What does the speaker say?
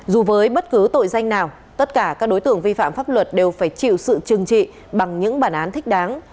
dù với bất cứ tội danh nào tất cả các đối tượng vi phạm pháp luật đều phải chịu sự trừng trị bằng những bản án thích đáng